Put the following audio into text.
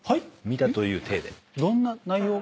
見たというテイで。